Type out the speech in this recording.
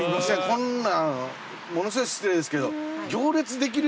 こんなんものすごい失礼ですけど。